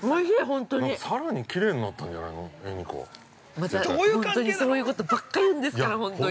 ◆また、そういうことばっかり言うんですから、ほんとに。